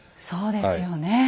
そうですよね。